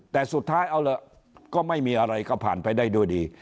แต่สุดท้ายเอาเหรอก็ไม่มีอะไรก็ผ่านไปได้ด้วยดี